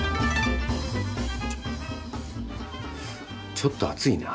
ちょっと熱いな。